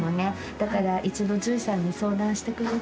だから一度獣医さんに相談してくれる？